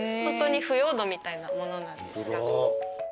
ホントに腐葉土みたいなものなんですが。